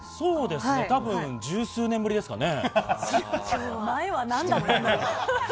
多分、十数年ぶりですかね。